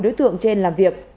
cộng trên làm việc